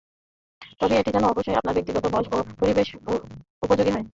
তবে এটি যেন অবশ্যই আপনার ব্যক্তিত্ব, বয়স ও পরিবেশ উপযোগী হয়।